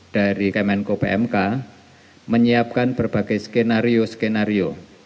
dari kemenko pmk menyiapkan berbagai skenario skenario